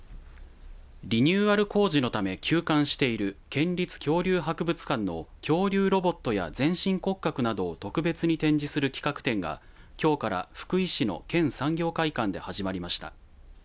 リニューアル工事のため休館している県立恐竜博物館の恐竜ロボットや全身骨格などを特別に展示する企画展がきょうから福井市の県産業会館で始まりました。